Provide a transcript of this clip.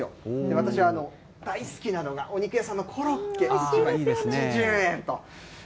私は大好きなのが、お肉屋さんのコロッケ８０円と。